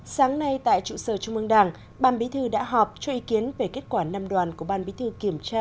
sáng nay tại trụ sở trung ương đảng ban mỹ thư đã họp cho ý kiến về kết quả năm đoàn của ban mỹ thư kiểm tra